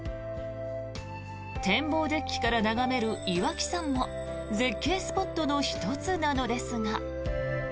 展望デッキから眺める岩木山も絶景スポットの１つなのですが。